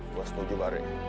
gue setuju bareng